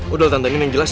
udah tante ini yang jelas